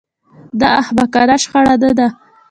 دا احمقانه شخړه نه ده